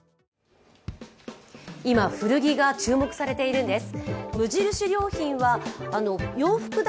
今、古着が注目されているんです。